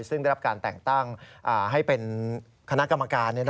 ซึ่งได้รับการแต่งตั้งให้เป็นคณะกรรมการ